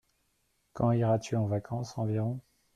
Quand iras-tu en vacances environ ?